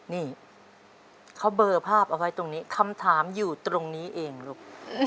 นี่เขาเบอร์ภาพเอาไว้ตรงนี้คำถามอยู่ตรงนี้เองลูก